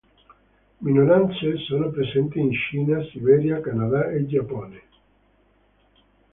Minoranze sono presenti in Cina, Siberia, Canada e Giappone.